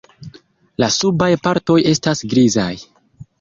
La subaj partoj estas grizaj.